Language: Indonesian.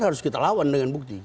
harus kita lawan dengan bukti